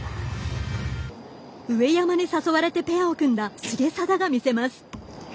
上山に誘われてペアを組んだ重定が見せます。